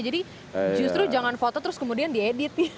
jadi justru jangan foto terus kemudian diedit